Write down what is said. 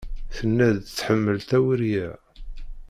Tenna-d tḥemmel tawuri-a.